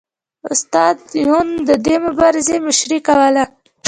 استاد یون د دې مبارزې مشري کوله